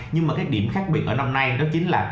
nhưng mà cái điểm khác biệt ở năm nay đó chính là